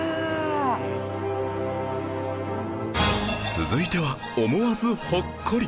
続いては思わずほっこり